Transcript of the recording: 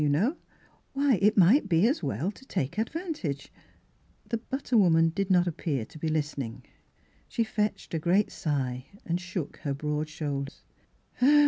you know — "^hy, it might be as well to take advantage —" The butter woman did not appear to be listening. She fetched a great sigh, and shook her broad shoulders.